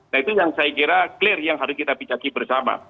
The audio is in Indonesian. nah itu yang saya kira clear yang harus kita bijaki bersama